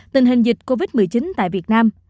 tình hình dịch covid một mươi chín tại việt nam